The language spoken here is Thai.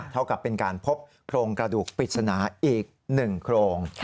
เท่ากับเป็นการพบโครงกระดูกปริศนาอีก๑โครง